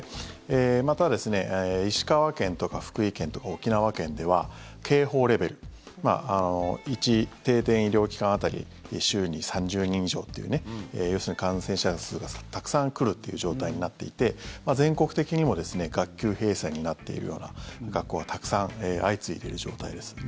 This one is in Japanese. また石川県とか福井県とか沖縄県では警報レベル１定点医療機関当たり週に３０人以上という要するに感染者がたくさん来るっていう状態になっていて全国的にも学級閉鎖になってるような学校がたくさん相次いでいる状態です。